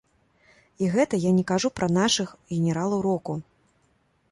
І гэта я не кажу пра нашых генералаў року!